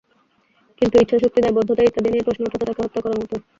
কিন্তু ইচ্ছাশক্তি, দায়বদ্ধতা ইত্যাদি নিয়ে প্রশ্ন ওঠাটা তাঁকে হত্যা করার মতোই।